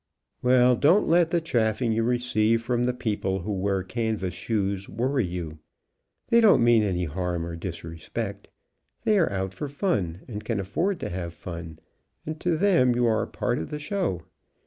Well, don't let the chaffing you receive from the people who wear canvas shoes worry you. They don't mean any harm or disrespect. They are out for fun, and can afford to have fun, and to them you are a part of the show.